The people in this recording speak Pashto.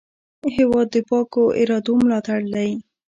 هېواد د پاکو ارادو ملاتړ دی.